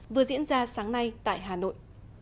vừa diễn ra sáng nay tại hà nội